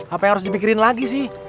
apa yang harus dipikirin lagi sih